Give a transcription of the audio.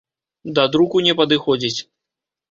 Да друку не падыходзіць.